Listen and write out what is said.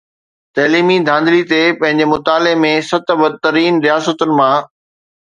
تعليمي ڌانڌلي تي پنهنجي مطالعي ۾ ست بدترين رياستن مان